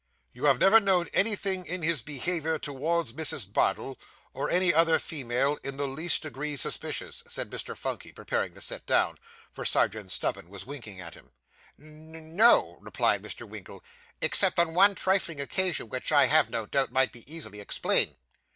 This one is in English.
'You have never known anything in his behaviour towards Mrs. Bardell, or any other female, in the least degree suspicious?' said Mr. Phunky, preparing to sit down; for Serjeant Snubbin was winking at him. 'N n no,' replied Mr. Winkle, 'except on one trifling occasion, which, I have no doubt, might be easily explained.